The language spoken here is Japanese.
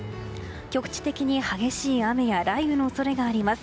局地的に激しい雨や雷雨の恐れがあります。